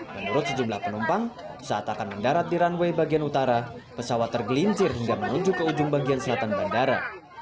menurut sejumlah penumpang saat akan mendarat di runway bagian utara pesawat tergelincir hingga menuju ke ujung bagian selatan bandara